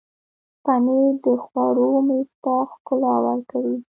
پنېر د خوړو میز ته ښکلا ورکوي.